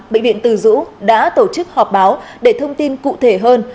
bệnh viện từ dũ đã tổ chức họp báo để thông tin cụ thể hơn